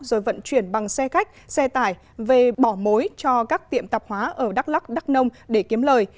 rồi vận chuyển bằng xe khách xe tải về bỏ mối cho các tiệm tạp hóa ở đắk lắc đắk nông để kiếm lời